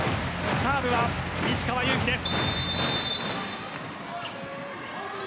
サーブは石川祐希です。